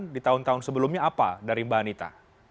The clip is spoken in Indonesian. di tahun tahun sebelumnya apa dari mbak anita